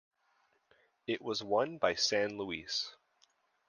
It was won by San Luis.